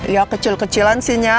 ya kecil kecilan sih nya